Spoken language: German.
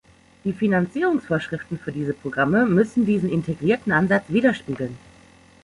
Die Finanzierungsvorschriften für diese Programme müssen diesen integrierten Ansatz widerspiegeln.